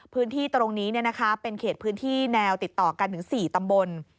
พื้นที่ตรงนี้เป็นเขตพื้นที่แนวติดต่อกันถึง๔ตำบล